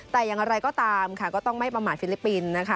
แต่อย่างไรก็ตามค่ะก็ต้องไม่ประมาทฟิลิปปินส์นะคะ